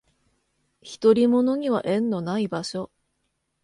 独り者には縁のない場所